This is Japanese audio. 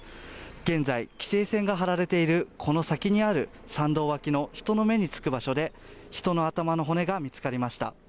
現在、規制線が張られているこの先にある山道脇の人の目につく場所で人の頭の骨が見つかりました。